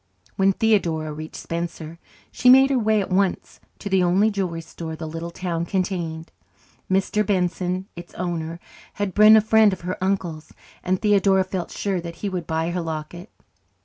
When Theodora reached Spencer she made her way at once to the only jewellery store the little town contained. Mr. Benson, its owner, had been a friend of her uncle's, and Theodora felt sure that he would buy her locket.